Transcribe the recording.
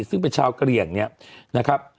ซึ่งเป็นชาวกะเหลี่ยงเนี่ยนะครับ